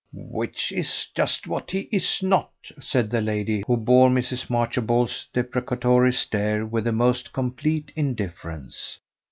"Which is just what he is not," said the lady, who bore Mrs. Marchbold's deprecatory stare with the most complete indifference.